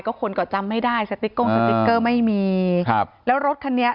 คนก็จำไม่ได้สติ๊กโก้งสติ๊กเกอร์ไม่มีครับแล้วรถคันนี้